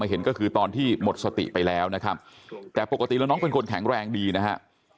เห็นก็คือตอนที่หมดสติไปแล้วนะครับแต่ปกติแล้วน้องเป็นคนแข็งแรงดีนะฮะ